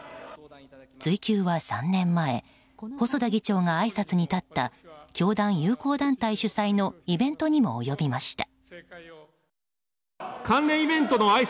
追及は３年前細田議長があいさつに立った教団友好団体主催のイベントにも及びました。